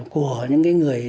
của những người